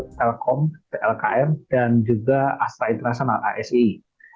telkom tlkm dan juga astra international asii